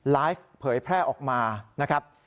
เผยแพร่ออกมานะครับ